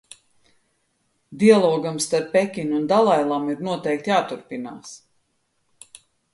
Dialogam starp Pekinu un Dalailamu ir noteikti jāturpinās.